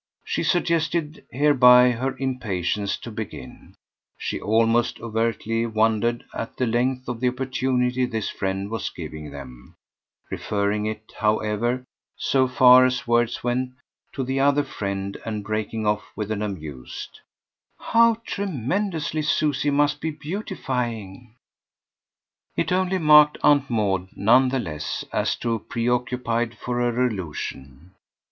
She suggested hereby her impatience to begin; she almost overtly wondered at the length of the opportunity this friend was giving them referring it, however, so far as words went, to the other friend and breaking off with an amused: "How tremendously Susie must be beautifying!" It only marked Aunt Maud, none the less, as too preoccupied for her allusion.